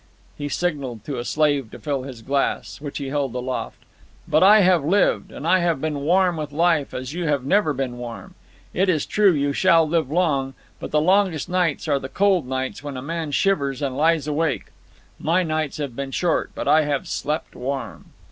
He signalled to a slave to fill his glass, which he held aloft. "But I have lived. And I have been warm with life as you have never been warm. It is true, you shall live long. But the longest nights are the cold nights when a man shivers and lies awake. My nights have been short, but I have slept warm."